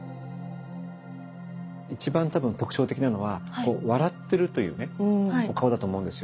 一番多分特徴的なのは笑ってるというねお顔だと思うんですよ。